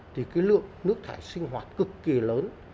thì cái lượng nước thải sinh hoạt cực kỳ lớn